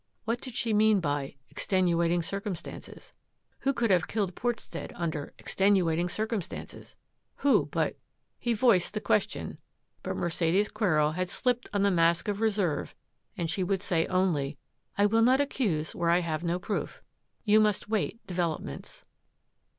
What did she mean by " ex tenuating circumstances "? Who could have killed Portstead under " extenuating circum stances "? Who but — He voiced the question, but Mercedes Quero had slipped on the mask of reserve and she would say only, " I will not accuse where I have no proof. You must await developments."